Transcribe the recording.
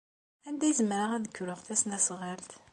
Anda ay zemreɣ ad kruɣ tasnasɣalt?